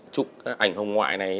chụp cái ảnh hồng ngoại này